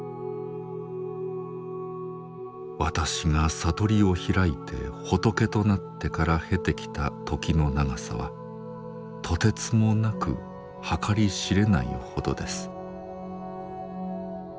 私が悟りを開いて仏となってから経てきた時の長さはとてつもなく計り知れないほどです。